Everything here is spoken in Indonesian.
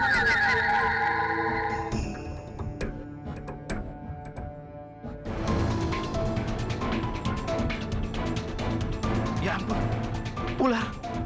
disini biar nggak added